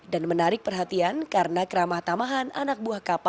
dan menarik perhatian karena keramah tamahan anak buah kapal serta tarunanya